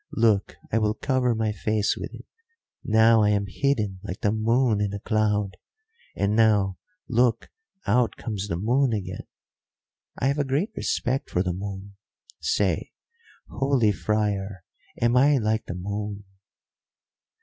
Look, I will cover my face with it. Now I am hidden like the moon in a cloud, and now, look, out comes the moon again! I have a great respect for the moon. Say, holy friar, am I like the moon?"